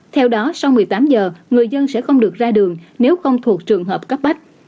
theo đó sau một mươi tám giờ người dân sẽ không được ra đường nếu không thuộc trường hợp cấp bách